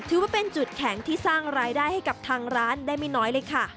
ถือว่าเป็นจุดแข็งที่สร้างรายได้ให้กับทางร้านได้ไม่น้อยเลยค่ะ